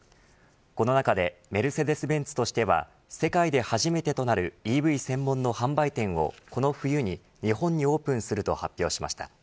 この中でメルセデス・ベンツとしては世界で初めてとなるＥＶ専門の販売店をこの冬に日本にオープンすると発表しました。